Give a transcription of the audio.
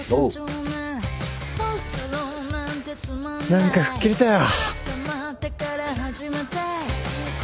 何か吹っ切れたよ。